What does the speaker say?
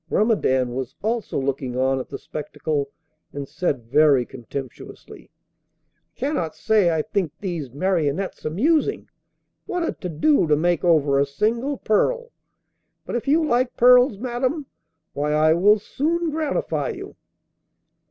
Grumedan was also looking on at the spectacle, and said very contemptuously: 'I cannot say I think these marionettes amusing. What a to do to make over a single pearl! But if you like pearls, madam, why, I will soon gratify you.